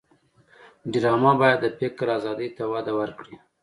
ډرامه باید د فکر آزادۍ ته وده ورکړي